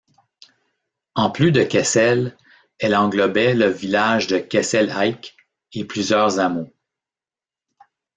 En plus de Kessel, elle englobait le village de Kessel-Eik et plusieurs hameaux.